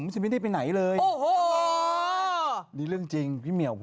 ฉันก็อุตส่ายจะเกลี่ยละ